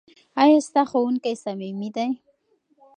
ایا ستا ښوونکی صمیمي دی؟